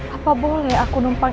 apa boleh aku numpang